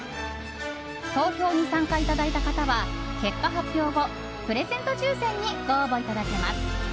投票に参加いただいた方は結果発表後プレゼント抽選にご応募いただけます。